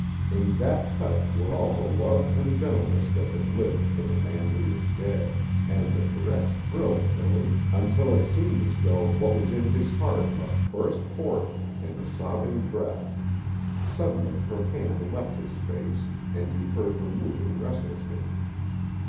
In that touch were all the love and gentleness that had lived for the man who was dead, and the caress thrilled Billy until it seemed as though what was in his heart must burst forth in a sobbing breath. Suddenly her hand left his face, and he heard her moving restlessly.